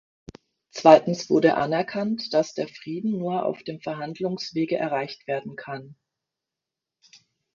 Zweitens wurde anerkannt, dass der Frieden nur auf dem Verhandlungswege erreicht werden kann.